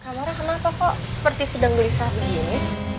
kamar kenapa kok seperti sedang berisah begini